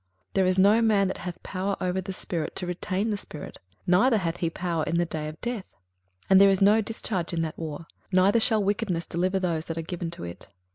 21:008:008 There is no man that hath power over the spirit to retain the spirit; neither hath he power in the day of death: and there is no discharge in that war; neither shall wickedness deliver those that are given to it.